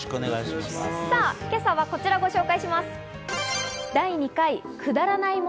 今朝はこちらをご紹介します。